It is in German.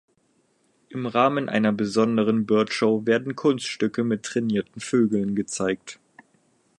Im Rahmen einer besonderen "Bird Show" werden Kunststücke mit trainierten Vögeln gezeigt.